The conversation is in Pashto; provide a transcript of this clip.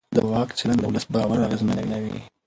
د واک چلند د ولس باور اغېزمنوي